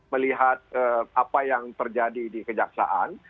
melihat apa yang terjadi di kejaksaan